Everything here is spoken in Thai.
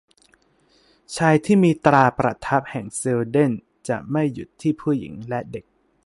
ชายที่มีตราประทับแห่งเซลเดนจะไม่หยุดที่ผู้หญิงและเด็ก